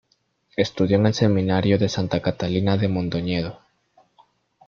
Estudió en el Seminario Santa Catalina de Mondoñedo.